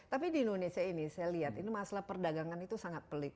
tapi di indonesia ini saya lihat ini masalah perdagangan itu sangat pelik